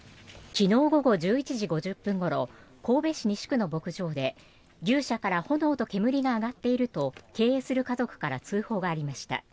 昨日午後１１時５０分ごろ神戸市西区の牧場で牛舎から炎と煙が上がっていると経営する家族から通報がありました。